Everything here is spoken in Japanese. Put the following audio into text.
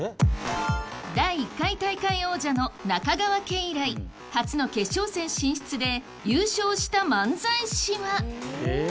第１回大会王者の中川家以来初の決勝戦進出で優勝した漫才師は？